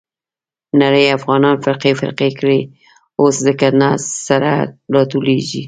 نړۍ افغانان فرقې فرقې کړي. اوس ځکه نه سره راټولېږي.